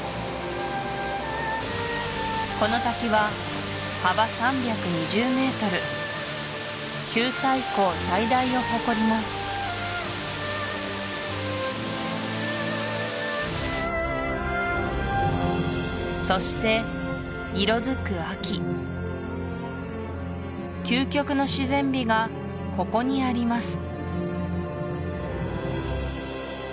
この滝は幅３２０ｍ九寨溝最大を誇りますそして色づく秋究極の自然美がここにあります